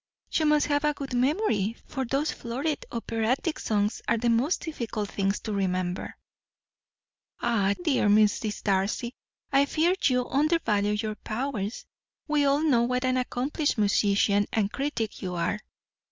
"You must have a good memory, for those florid operatic songs are the most difficult things to remember." "Ah, dear Mrs. Darcy, I fear you undervalue your powers. We all know what an accomplished musician and critic you are."